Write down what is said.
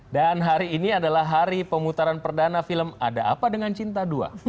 dan hari ini adalah hari pemutaran perdana film ada apa dengan cinta dua